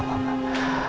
pak al pernah bilang